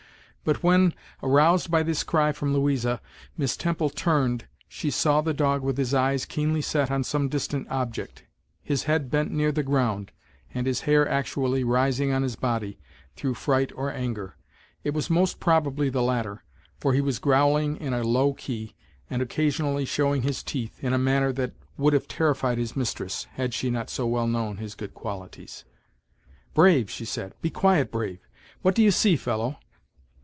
But when, aroused by this cry from Louisa, Miss Temple turned, she saw the dog with his eyes keenly set on some distant object, his head bent near the ground, and his hair actually rising on his body, through fright or anger. It was most probably the latter, for he was growling in a low key, and occasionally showing his teeth, in a manner that would have terrified his mistress, had she not so well known his good qualities. "Brave!" she said, "be quiet, Brave! What do you see, fellow?"